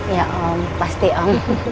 ya om pasti om